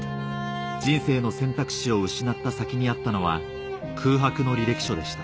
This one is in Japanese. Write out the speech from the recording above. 人生の選択肢を失った先にあったのは空白の履歴書でした